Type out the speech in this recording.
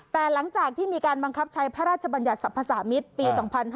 แต่หลังจากที่มีการบังคับใช้พระราชบัญญัติสรรพสามิตรปี๒๕๕๙